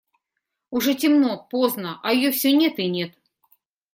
Уже темно, поздно, а ее все нет и нет.